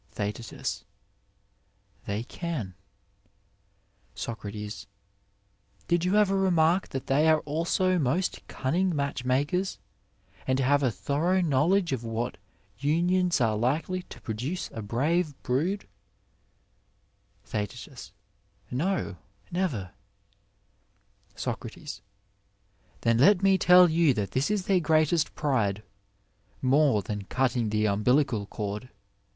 TheasL They can. Soc Did you ever remark that they are also most cunning matchmakers, and have a thorough knowledge of what unions are likely to produce a brave brood T Digitized by Google AS DEPICTED IN PLATO Thectt, No, neyer; 8oc, Then let me tell you that this is thdr greatest pride, more than cutting the umbilical cord.